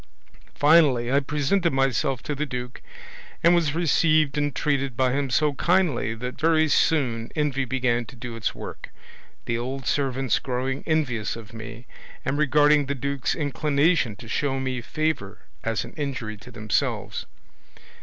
Finally, I presented myself to the duke, and was received and treated by him so kindly that very soon envy began to do its work, the old servants growing envious of me, and regarding the duke's inclination to show me favour as an injury to themselves.